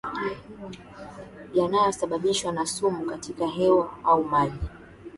yanayosababishwa na sumu katika hewa au maji